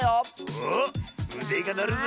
おっうでがなるぜ！